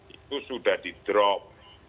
itu sudah di drop